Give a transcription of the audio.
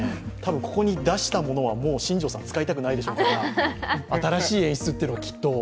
ここに出したものは、新庄さん、使いたくないでしょうから新しい演出をきっと。